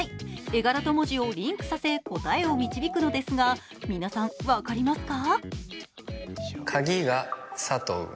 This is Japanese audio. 絵柄と文字をリンクさせ答えを導くのですが皆さん、分かりますか？